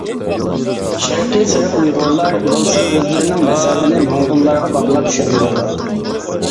شەرقىي سېرىق ئۇيغۇرلار بولسا ئۆزلىرىنىڭ نەسەبىنى موڭغۇللارغا باغلاپ چۈشەندۈرىدۇ.